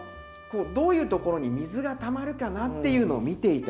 どういうところに水がたまるかなっていうのを見て頂いて。